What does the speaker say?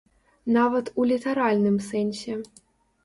Нават у літаральным сэнсе.